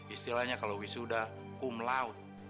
istilahnya kalau wisuda kum laut